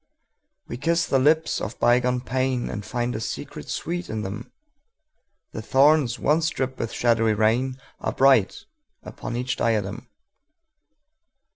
We kiss the lips of bygone painAnd find a secret sweet in them:The thorns once dripped with shadowy rainAre bright upon each diadem.